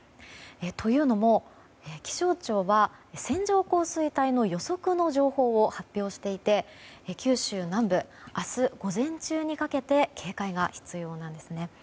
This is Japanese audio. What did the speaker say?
というのも、気象庁は線状降水帯の予測の情報を発表していて九州南部は明日午前中にかけて警戒が必要です。